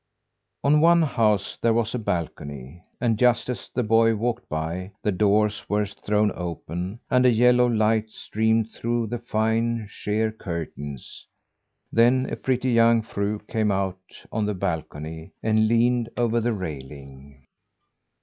On one house there was a balcony. And just as the boy walked by, the doors were thrown open, and a yellow light streamed through the fine, sheer curtains. Then a pretty young fru came out on the balcony and leaned over the railing.